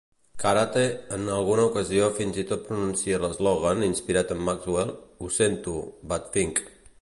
Karate en alguna ocasió fins i tot pronuncia l'eslògan inspirat en Maxwell: "Ho sento, Batfink".